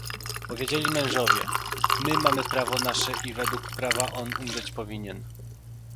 "Powiedzieli mężowie: my mamy prawo nasze i według prawa on umrzeć powinien."